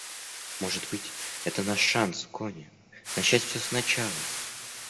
Может быть, это наш шанс, Конни, начать все сначала.